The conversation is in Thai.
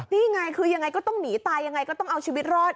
นี่ไงคือยังไงก็ต้องหนีตายยังไงก็ต้องเอาชีวิตรอด